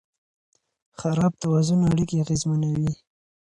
خراب توازن اړیکې اغېزمنوي.